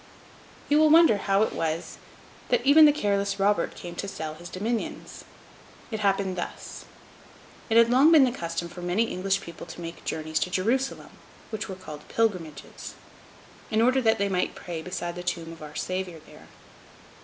You will wonder how it was that even the careless Robert came to sell his dominions. It happened thus. It had long been the custom for many English people to make journeys to Jerusalem, which were called pilgrimages, in order that they might pray beside the tomb of Our Saviour there.